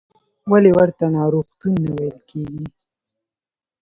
ولې ورته ناروغتون نه ویل کېږي؟